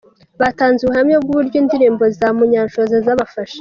Batanze ubuhamya bw'uburyo indirimbo za Munyanshoza zabafashije.